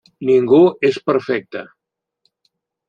Ningú és perfecte.